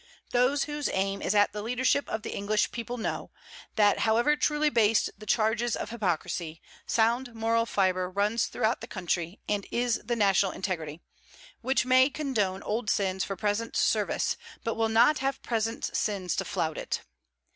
Those whose aim is at the leadership of the English people know, that however truly based the charges of hypocrisy, soundness of moral fibre runs throughout the country and is the national integrity, which may condone old sins for present service; but will not have present sins to flout it.